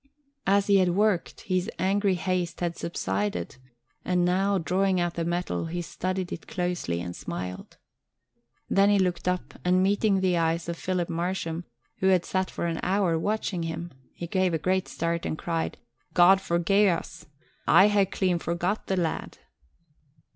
As he had worked, his angry haste had subsided and now, drawing out the metal, he studied it closely and smiled. Then he looked up and meeting the eyes of Philip Marsham, who had sat for an hour watching him, he gave a great start and cried, "God forgie us! I hae clean forgot the lad!"